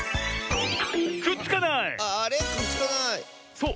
そう。